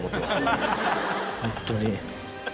ホントに。